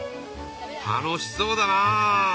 楽しそうだなあ。